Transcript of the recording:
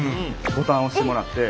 ボタン押してもらって。